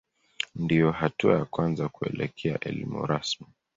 Ndiyo hatua ya kwanza kuelekea elimu rasmi.